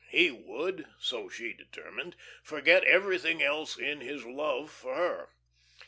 He would, so she determined, forget everything else in his love for her.